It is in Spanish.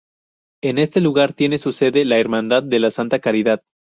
En este lugar tiene su sede la Hermandad de la Santa Caridad.